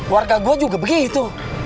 warga gua juga begitu